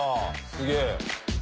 すげえ。